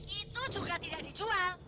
itu juga tidak dijual